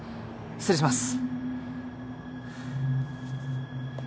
失礼します。